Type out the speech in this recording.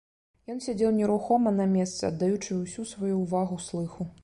Ён сядзеў нерухома на месцы, аддаючы ўсю сваю ўвагу слыху.